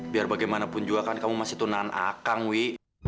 biar bagaimanapun juga kan kamu masih tunaan akang wi